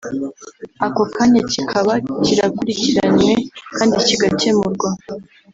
ako kanya kikaba kirakurikiranywe kandi kigakemurwa”